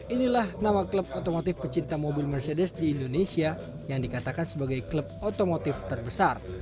inilah nama klub otomotif pecinta mobil mercedes di indonesia yang dikatakan sebagai klub otomotif terbesar